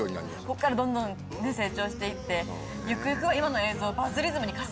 こっからどんどん成長して行ってゆくゆくは今の映像。